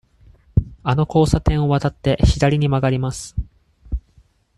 あの交差点を渡って、左に曲がります。